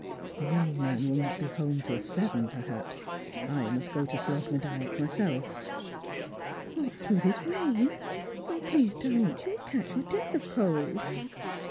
" The young man will not be home till seven perhaps. I must go to Slogh na Dyack myself " What, through this rain ! 0, please don't, you'll catch your death of cold."